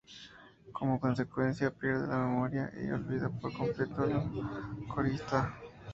Como consecuencia, pierde la memoria y olvida por completo a la corista.